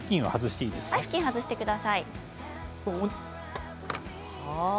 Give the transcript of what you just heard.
布巾は外してください。